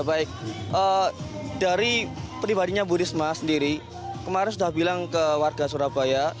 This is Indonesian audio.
baik dari pribadinya bu risma sendiri kemarin sudah bilang ke warga surabaya